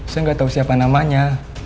saya nggak tahu siapa namanya